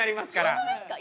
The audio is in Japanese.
本当ですか？